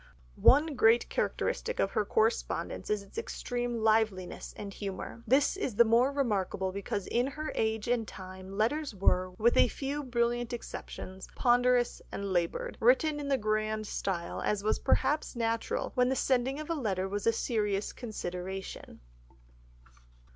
One great characteristic of her correspondence is its extreme liveliness and humour. This is the more remarkable because in her age and time letters were, with a few brilliant exceptions, ponderous and laboured, written in the grand style, as was perhaps natural when the sending of a letter was a serious consideration.